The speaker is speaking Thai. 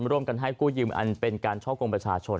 ร่วมกันให้กู้ยืมอันเป็นการช่อกงประชาชน